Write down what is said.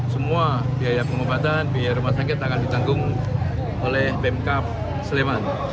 semua biaya pengobatan biaya rumah sakit akan ditanggung oleh pemkap sleman